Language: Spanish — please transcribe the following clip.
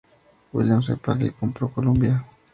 William S. Paley compró Columbia.